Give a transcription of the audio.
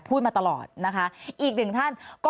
พูดมาตลอดนะคะอีกหนึ่งท่านก็